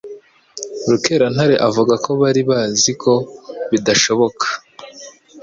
Rukerantare avuga ko bari bazi ko bidashoboka